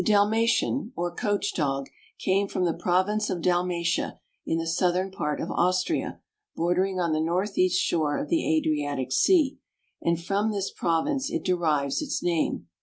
Dalmatian, or Coach Dog, came from the Province of Dalmatia, in the southern part of Austria, border ing on the northeast shore of the Adriatic Sea, and from this province it derives its name.